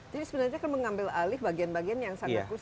jadi sebenarnya kan mengambil alih bagian bagian yang sangat kursi